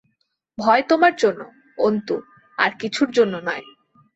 ভয় তোমার জন্যে, অন্তু, আর কিছুর জন্যে নয়।